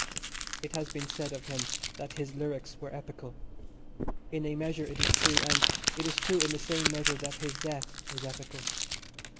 It has been said of him that his lyrics were epical; in a measure it is true, and it is true in the same measure that his death was epical.